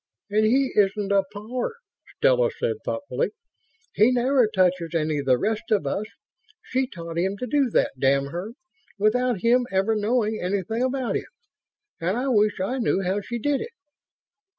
"And he isn't a pawer," Stella said, thoughtfully. "He never touches any of the rest of us. She taught him to do that, damn her, without him ever knowing anything about it ... and I wish I knew how she did it."